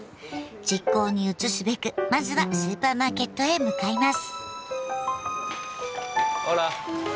実行に移すべくまずはスーパーマーケットへ向かいます。